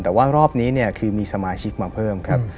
แต่ว่ารอบนี้เนี่ยคือมีสมาชิกมาเพิ่มครับ